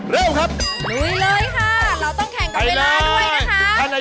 เริ่มครับลุยเลยค่ะเราต้องแข่งกับเวลาด้วยนะคะ